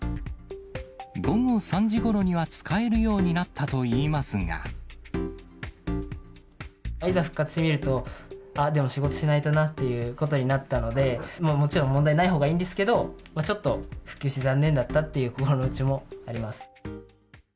午後３時ごろには使えるよういざ、復活してみると、あ、でも仕事しないとなっていうことになったので、もちろん問題ないほうがいいんですけど、ちょっと復旧して残念だったっていう心の内もあります。